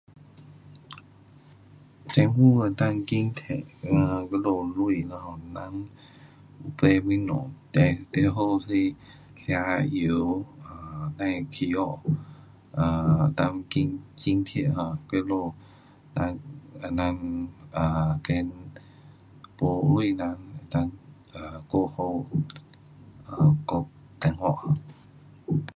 政府能够津贴咱我们钱咯 um 给人提东西，then 最好是吃，油别起价，能够津贴 um，给他们人，人 um 跟没钱人能够过好,啊过生活。